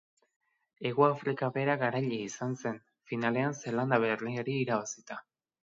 Hegoafrika bera garailea izan zen, finalean Zeelanda Berriari irabazita.